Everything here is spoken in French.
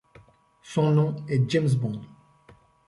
Son nom est James Bond.